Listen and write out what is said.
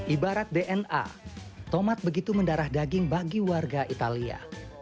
ibarat dna tomat begitu mendarah daging bagi warga italia